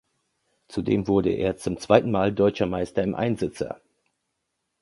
Zudem wurde er zum zweiten Mal Deutscher Meister im Einsitzer.